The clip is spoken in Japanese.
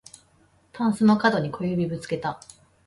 たんすのかどに小指ぶつけた